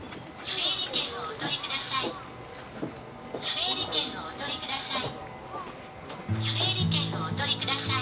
「整理券をお取り下さい」。